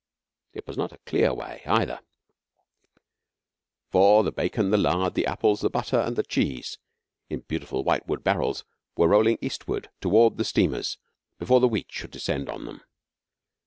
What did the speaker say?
It was not a clear way either; for the bacon, the lard, the apples, the butter, and the cheese, in beautiful whitewood barrels, were rolling eastwards toward the steamers before the wheat should descend on them.